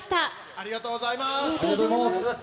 ありがとうございます。